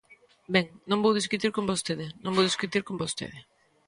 Ben, non vou discutir con vostede, non vou discutir con vostede.